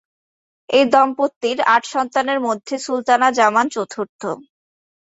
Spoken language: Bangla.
এই দম্পতির আট সন্তানের মধ্যে সুলতানা জামান চতুর্থ।